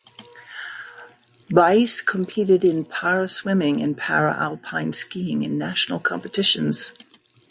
Weiss competed in Para swimming and Para alpine skiing in national competitions.